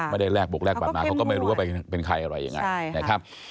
ไม่ได้แรกบกแรกแบบนั้นเขาก็ไม่รู้ว่าเป็นใครอะไรอย่างนั้น